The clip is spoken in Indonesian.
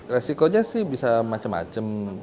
resikonya sih bisa macam macam